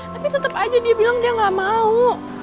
tapi tetap aja dia bilang dia gak mau